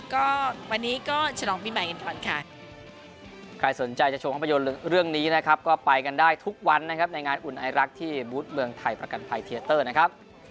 ก็วันนี้ก็ฉลองปีใหม่กันก่อนค่ะ